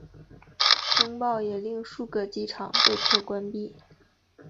风暴也令数个机场被迫关闭。